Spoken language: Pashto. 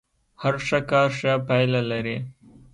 هر ښه کار ښه پايله لري.